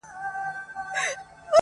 وئیل یې یو عذاب د انتظار په نوم یادېږي -